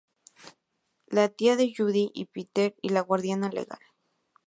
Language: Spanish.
La tía de Judy y Peter y la guardiana legal.